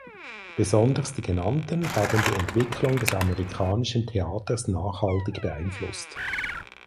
Besonders die Genannten haben die Entwicklung des amerikanischen Theaters nachhaltig beeinflusst.